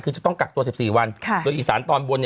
คือจะต้องกักตัว๑๔วันโดยอีสานตอนบน